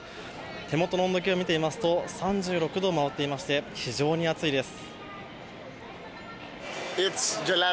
手元の温度計を見てみますと３６度を回っていまして非常に暑いです。